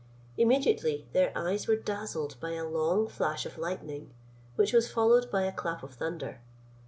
Immediately their eyes were dazzled by a long flash of lightning, which was followed by a clap of thunder.